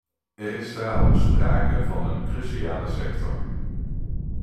Er is daarom sprake van een cruciale sector.